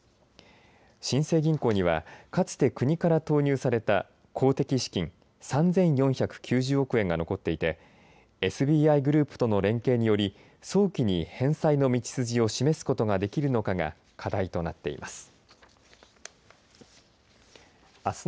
新生銀行にはかつて国から投入された公的資金３４９０億円が残っていてＳＢＩグループとの連携により早期に返済の道筋を示すことができるのかが課題となっています。